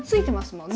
もんね